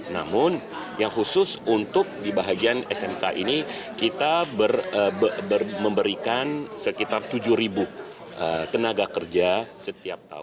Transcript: namun yang khusus untuk di bahagian smk ini kita memberikan sekitar tujuh tenaga kerja setiap tahun